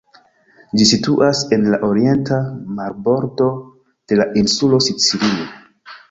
Ĝi situas en la orienta marbordo de la insulo Sicilio.